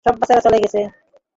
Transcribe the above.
সব বাচ্চারা চলে গেছে।